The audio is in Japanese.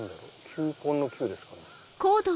球根の「球」ですかね？